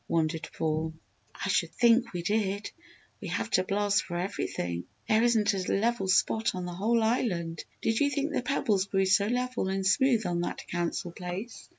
wondered Paul. "I should think we did! We have to blast for everything! There isn't a level spot on the whole island. Did you think the pebbles grew so level and smooth on that Council Place?"